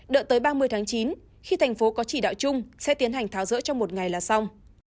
đợi tới ba mươi tháng chín khi thành phố có chỉ đạo chung sẽ tiến hành tháo rỡ trong một ngày là xong